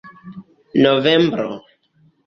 novembro